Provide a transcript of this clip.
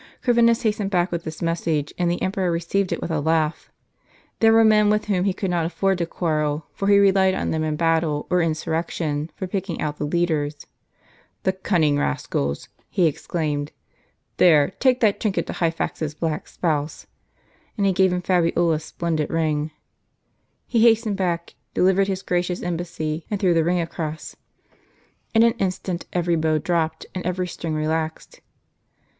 Corvinus hastened back with this message, and the emperor received it with a laugh. They were men with whom he could not afford to quarrel; for he relied on them in battle, or insurrection, for picking out the leaders. "The cunning rascals!" he exclaimed. "There, take that trinket to Hyphax's black spouse." And he gave him Fabiola's splendid ring. He hastened back, delivered his gracious embassy, and threw the ring across. In an instant every bow dropt, and every string relaxed.